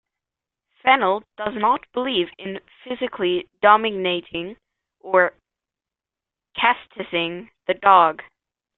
Fennell does not believe in physically dominating or chastising the dog.